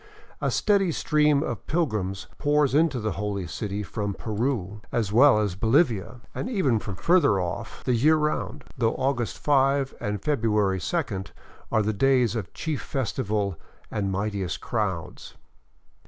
A Steady stream of pilgrims pours into the holy city from Peru, as well 4S9 VAGABONDING DOWN THE ANDES as Bolivia, and even from further off, the year round, though August 5 and February 2 are the days of chief festival and mightiest crowds.